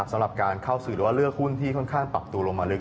สำหรับการเข้าสื่อหรือว่าเลือกหุ้นที่ค่อนข้างปรับตัวลงมาลึก